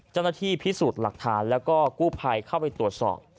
เจ้าหน้าที่พิสูจน์หลักฐานแล้วก็กู้ภัยเข้าไปตรวจสอบ